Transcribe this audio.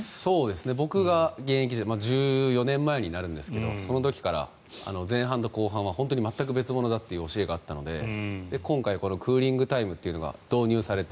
僕が現役時代１４年前になるんですがその時から前半と後半は全く別物だという教えがあったので今回、クーリングタイムというのが導入されて